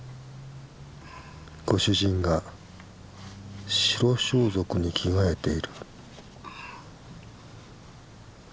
ご主人が白装束に着替えている。